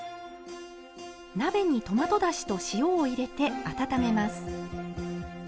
鍋にトマトだしと塩を入れて温めます。